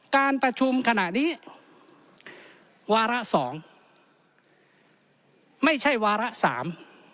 การประชุมขณะนี้วาระสองไม่ใช่วาระสาม